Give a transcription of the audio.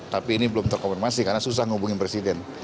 tapi ini belum terkonfirmasi karena susah menghubungi presiden